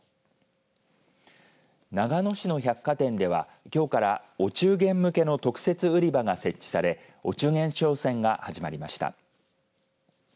長野市の百貨店ではきょうからお中元向けの特設売り場が設置されお中元商戦が始まりました。